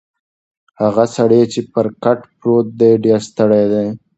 هغه سړی چې پر کټ پروت دی ډېر ستړی دی.